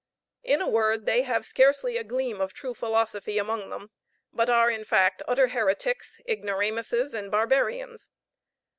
In a word, they have scarcely a gleam of true philosophy among them, but are, in fact, utter heretics, ignoramuses, and barbarians.